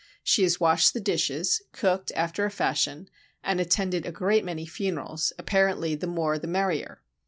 She has washed the dishes, cooked, after a fashion, and attended a great many funerals,—apparently the more the merrier.